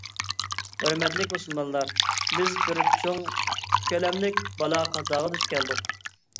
ھۆرمەتلىك مۇسۇلمانلار، بىز بىر چوڭ كۆلەملىك بالا-قازاغا دۇچ كەلدۇق.